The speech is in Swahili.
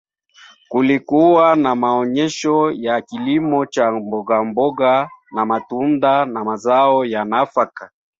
kulikuwa na maonesho ya kilimo cha mbogamboga matunda na mazao ya nafaka